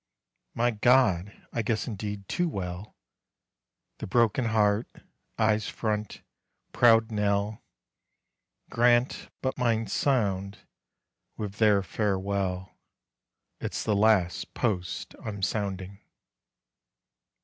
(My God! I guess indeed too well: The broken heart, eyes front, proud knell!) Grant but mine sound with their farewell. "_It's the Last Post I'm sounding.